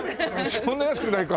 そんな安くないか。